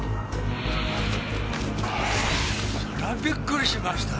そりゃびっくりしました。